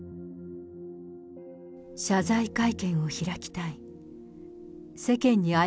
謝罪会見を開きたい。